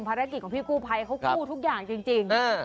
ภารกิจของพี่กู้ภัยเขากู้ทุกอย่างจริง